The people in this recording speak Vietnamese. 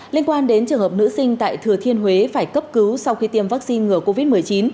liên quan đến trường hợp nữ sinh tại thừa thiên huế phải cấp cứu sau khi tiêm vaccine ngừa covid một mươi chín